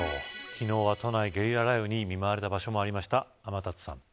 昨日は都内はゲリラ雷雨に見舞われる場所もありました。